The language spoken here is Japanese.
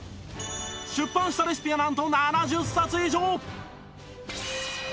出版したレシピはなんと７０冊以上！